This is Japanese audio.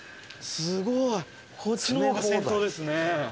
すごい！こっちの方が先頭ですね。